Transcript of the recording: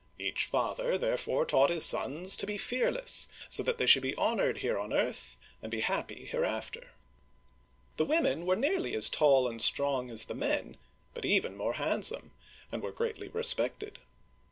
Each father, therefore, taught his sons to be fearless, so that they should be honored h^re on earth, arid be happy hereafter. The women were nearly as tall and strong as the men, but even more handsome, and were greatly respected.